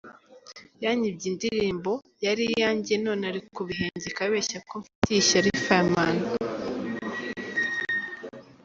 Yanyibye indirimbo, yari iyanjye none ari kubihengeka abeshya ko ‘mfitiye ishyari Fireman’.